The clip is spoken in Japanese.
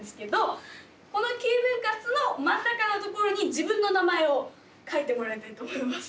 この９分割の真ん中のところに自分の名前を書いてもらいたいと思います。